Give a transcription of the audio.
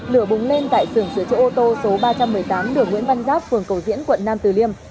lửa búng lên tại sưởng sửa chỗ ô tô số ba trăm một mươi tám đường nguyễn văn giáp phường cầu diễn quận năm tử liêm